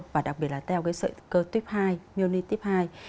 và đặc biệt là teo cái sợi cơ tip hai